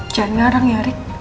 jangan nyarang ya rick